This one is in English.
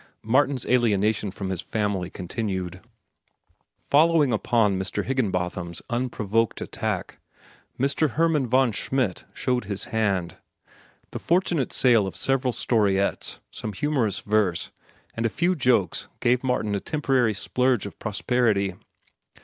Martin's alienation from his family continued. Following upon Mr. Higginbotham's unprovoked attack, Mr. Hermann von Schmidt showed his hand. The fortunate sale of several storiettes, some humorous verse, and a few jokes gave Martin a temporary splurge of prosperity.